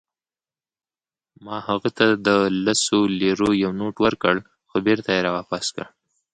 ما هغه ته د لسو لیرو یو نوټ ورکړ، خو بیرته يې راواپس کړ.